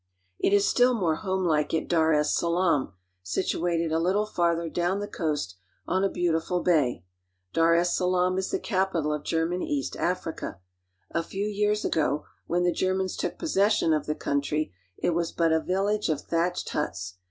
It is still more homelike at Dar es Salaam (dar es sa ] lam'), situated a little farther down the coast on a beautiful I bay. Dar es Salaam is the capita! of German East Africa. | A few years ago, when the Germans took possession of the ] country, it was but a village of thatched huts.